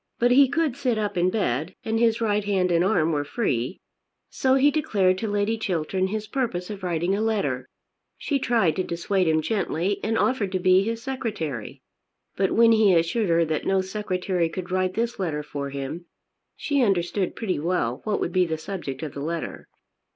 But he could sit up in bed, and his right hand and arm were free. So he declared to Lady Chiltern his purpose of writing a letter. She tried to dissuade him gently and offered to be his secretary. But when he assured her that no secretary could write this letter for him she understood pretty well what would be the subject of the letter.